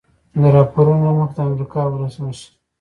د راپورونو له مخې د امریکا ولسمشر